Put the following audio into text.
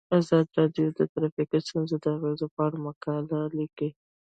ازادي راډیو د ټرافیکي ستونزې د اغیزو په اړه مقالو لیکلي.